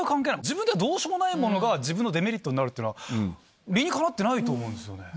自分ではどうしようもないものが自分のデメリットになるっていうのは理にかなってないと思うんですよね。